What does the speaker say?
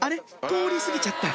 通り過ぎちゃった！